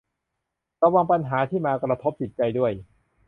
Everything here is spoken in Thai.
ระวังปัญหาที่มากระทบจิตใจด้วย